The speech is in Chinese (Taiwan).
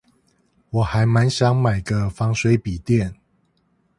我還滿想買個防水筆電